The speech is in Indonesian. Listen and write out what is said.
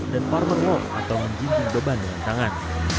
dan former walk atau menginjung beban dengan tangan